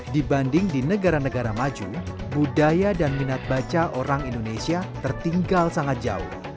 dibanding di negara negara maju budaya dan minat baca orang indonesia tertinggal sangat jauh